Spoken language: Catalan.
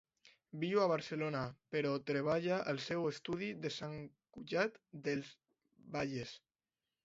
Viu a Barcelona, però treballa al seu estudi de Sant Cugat del Vallès.